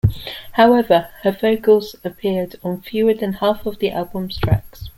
However, her vocals appeared on fewer than half of the album's tracks.